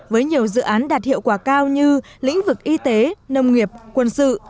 với nhiều dự án đạt hiệu quả cao như lĩnh vực y tế nông nghiệp quân sự